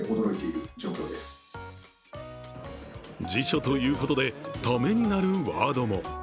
辞書ということでためになるワードも。